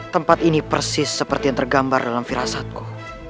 tempat ini persis seperti yang tergambar dalam firasatku